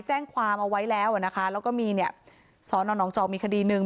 แจ้งความเอาไว้แล้วอ่ะนะคะแล้วก็มีเนี่ยสอนอนองจอกมีคดีหนึ่ง